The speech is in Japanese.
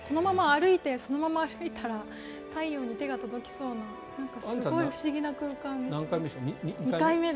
このまま歩いたら太陽に手が届きそうなすごい不思議な空間が。